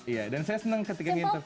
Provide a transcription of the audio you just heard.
iya dan saya seneng ketika nginterview